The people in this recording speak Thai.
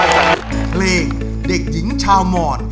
เล่นสึกได้เด็กหญิงชาวหมอด